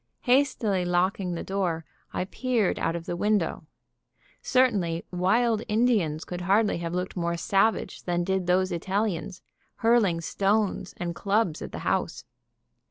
Hastily locking the door, I peered out of the window. Certainly wild Indians could hardly have looked more savage than did those Italians, hurling stones and clubs at the house.